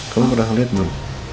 kamu pernah ngeliat belum